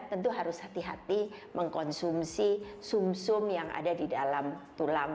tentu harus hati hati mengkonsumsi sum sum yang ada di dalam tulang